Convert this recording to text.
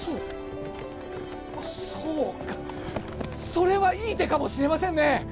そうかそれはいい手かもしれませんね